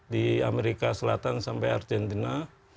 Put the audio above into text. di amerika selatan sampai argentina